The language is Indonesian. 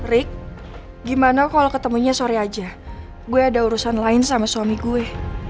rick gimana kalau ketemunya sore aja gue ada urusan lain sama suami gue